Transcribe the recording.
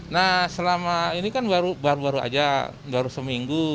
nah selama ini kan baru baru aja baru seminggu